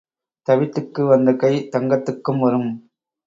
தவிட்டுக்கு வந்த கை தங்கத்துக்கும் வரும்.